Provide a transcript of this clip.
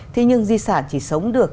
thế nhưng di sản chỉ sống được